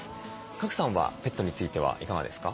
賀来さんはペットについてはいかがですか？